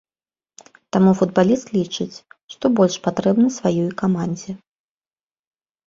Таму футбаліст лічыць, што больш патрэбны сваёй камандзе.